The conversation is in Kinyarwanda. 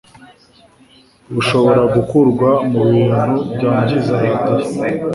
bushobora gukurwa mubintu byangiza radio